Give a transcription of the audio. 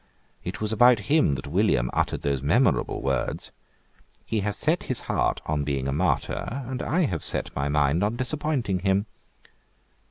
It was about him that William uttered those memorable words: "He has set his heart on being a martyr; and I have set my mind on disappointing him."